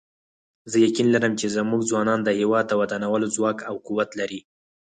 زه یقین لرم چې زموږ ځوانان د هیواد د ودانولو ځواک او قوت لري